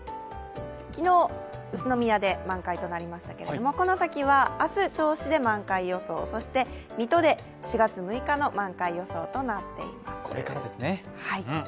昨日、宇都宮で満開となりましたがこの先は、明日、銚子で満開予想、そして水戸で４月６日の満開予想となっています。